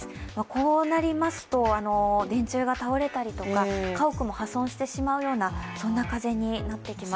こうなりますと、電柱が倒れたりとか家屋も破損してしまうようなそんな風になってきます。